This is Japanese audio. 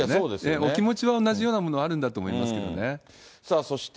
お気持ちは同じようものはあるんだと思いますけどね。